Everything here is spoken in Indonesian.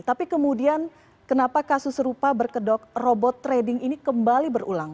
tapi kemudian kenapa kasus serupa berkedok robot trading ini kembali berulang